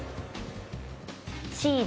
チーズ。